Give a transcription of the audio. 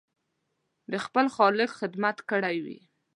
د خپل خالق خدمت کړی وي.